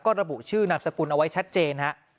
ระบุชื่อนามสกุลเอาไว้ชัดเจนฮะ